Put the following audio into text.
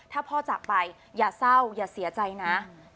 ถ้าพ่อจากไปอย่าเศร้าอย่าเสียใจนะ